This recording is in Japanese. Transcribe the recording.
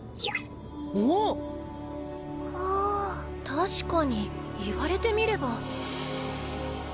確かに言われてみれば。